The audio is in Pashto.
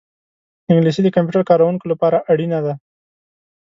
انګلیسي د کمپیوټر کاروونکو لپاره اړینه ده